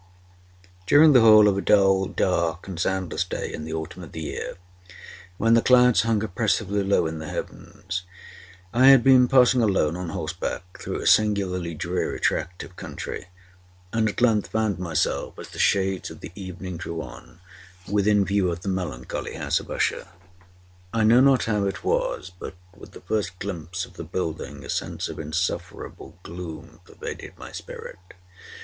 During the whole of a dull, dark, and soundless day in the autumn of the year, when the clouds hung oppressively low in the heavens, I had been passing alone, on horseback, through a singularly dreary tract of country; and at length found myself, as the shades of the evening drew on, within view of the melancholy House of Usher. I know not how it was—but, with the first glimpse of the building, a sense of insufferable gloom pervaded my spirit.